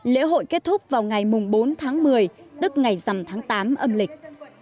lễ hội kết thúc vào ngày bốn tháng một mươi tức ngày dằm tháng tám âm lịch